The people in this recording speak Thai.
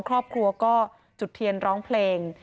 ครอบครัวก็จุดเทียนร้องเพลง